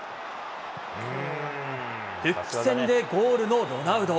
復帰戦でゴールのロナウド。